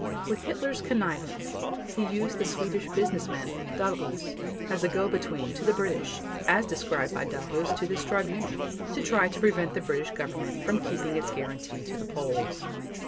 With Hitler's connivance, he used the Swedish businessman, Dahlerus, as a go between to the British, as described by Dahlerus to this Tribunal, to try to prevent the British Government from keeping its guarantee to the Poles.